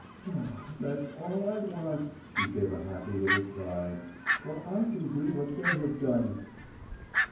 "Ah, that's all I want," she gave a happy little sigh, "for I can do what they have done."